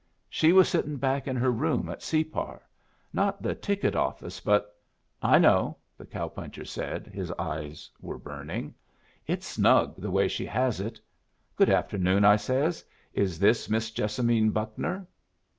"She was sittin' back in her room at Separ. Not the ticket office, but " "I know," the cow puncher said. His eyes were burning. "It's snug, the way she has it. 'Good afternoon,' I says. 'Is this Miss Jessamine Buckner?'"